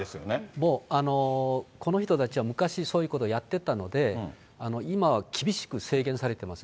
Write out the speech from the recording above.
もうこの人たちは昔そういうことをやっていたので、今は厳しく制限されてます。